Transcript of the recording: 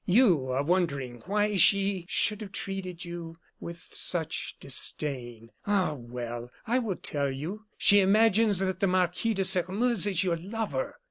You are wondering why she should have treated you with such disdain. Ah, well! I will tell you: she imagines that the Marquis de Sairmeuse is your lover."